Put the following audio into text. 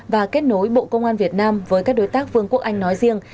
và kết nối bộ công an việt nam với các đối tác vương quốc anh nói riêng